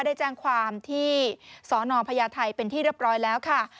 ได้แจ้งความที่สนพญาไทยเป็นที่เรียบร้อยแล้วค่ะ